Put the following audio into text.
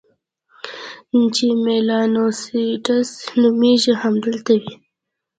چې میلانوسایټس نومیږي، همدلته وي.